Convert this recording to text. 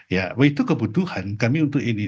ya itu kebutuhan kami untuk ini